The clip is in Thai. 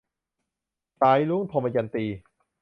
สายรุ้ง - ทมยันตี